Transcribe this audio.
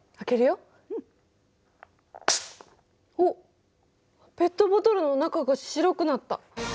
おっペットボトルの中が白くなった！